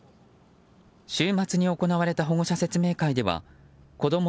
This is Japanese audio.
週末に行われた保護者説明会ではこども